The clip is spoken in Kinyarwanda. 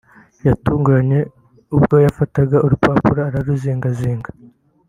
yatunguranye ubwo yafataga urupapuro araruzinga-zinga